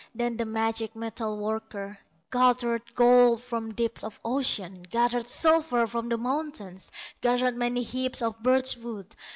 Then the magic metal worker Gathered gold from deeps of ocean, Gathered silver from the mountains, Gathered many heaps of birch wood.